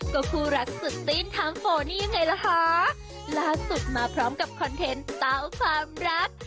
ก็คู่รักสุดตื้นทั้งโฟนี่ยังไงล่ะคะล่าสุดมาพร้อมกับคอนเทนต์เต้าความรัก